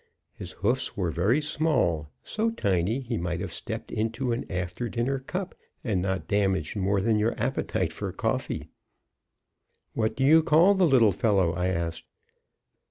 His hoofs were very small, so tiny that he might have stepped into an after dinner cup and not damaged more than your appetite for coffee. "What do you call the little fellow?" I asked.